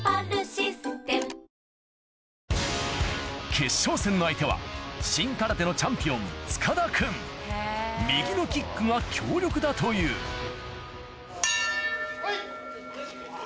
決勝戦の相手は新空手のチャンピオン塚田君右のキックが強力だというファイト！